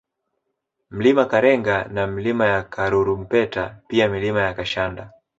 Mlima Karenga na Milima ya Karurumpeta pia Milima ya Kashanda